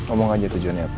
omong aja tujuannya apa